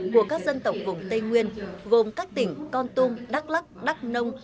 của các dân tộc vùng tây nguyên gồm các tỉnh con tum đắk lắc đắk nông